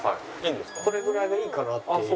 これぐらいがいいかなっていう。